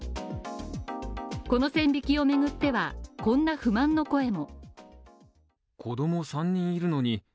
この天引きをめぐっては、こんな不満の声も。